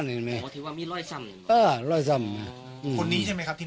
แสดงว่าเขาก็ชอบเซอร์โหงห่วง